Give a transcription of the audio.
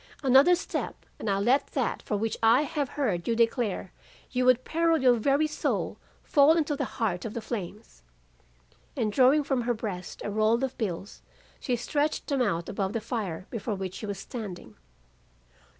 'Another step and I let that for which I have heard you declare you would peril your very soul, fall into the heart of the flames.' And drawing from her breast a roll of bills, she stretched them out above the fire before which she was standing.